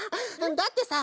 だってさ